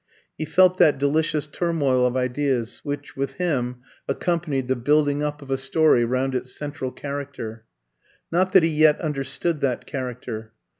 He felt that delicious turmoil of ideas which with him accompanied the building up of a story round its central character. Not that he yet understood that character.